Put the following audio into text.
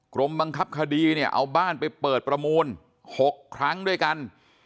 กรมบังคับคดีเนี่ยเอาบ้านไปเปิดประมูล๖ครั้งด้วยกัน